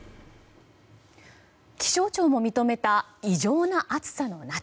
気象庁も認めた異常な暑さの夏。